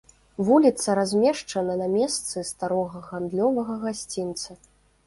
Вуліца размешчана на месцы старога гандлёвага гасцінца.